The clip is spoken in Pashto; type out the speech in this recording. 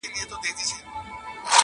زموږ له کورونو سره نژدې -